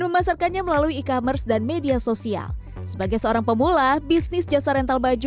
memasarkannya melalui e commerce dan media sosial sebagai seorang pemula bisnis jasa rental baju